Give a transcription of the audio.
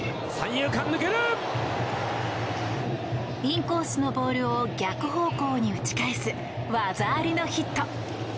インコースのボールを逆方向に打ち返す技ありのヒット。